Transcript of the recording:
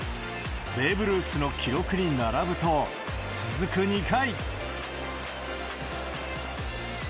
ベーブ・ルースの記録に並ぶと、続く２回。